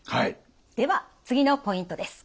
では次のポイントです。